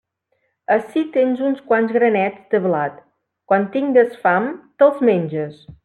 Ací tens uns quants granets de blat; quan tingues fam te'ls menges.